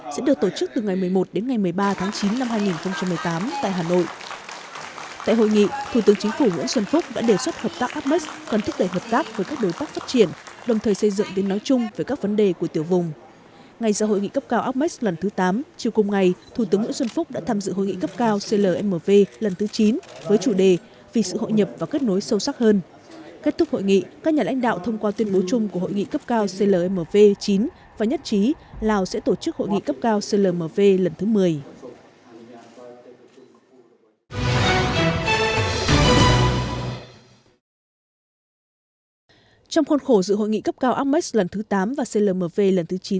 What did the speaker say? sẽ được tổ chức từ ngày một mươi một đến ngày một mươi ba tháng chín năm hai nghìn một mươi tám tại hà nội